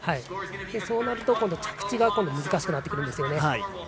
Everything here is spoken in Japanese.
そうなると着地が難しくなってくるんですね。